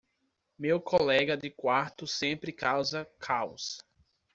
Meu colega de quarto sempre causa caos.